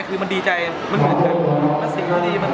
คือมันดีใจมันเหมือนกัน